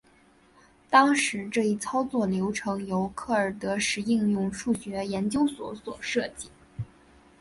当时这一操作流程由克尔德什应用数学研究所所设计。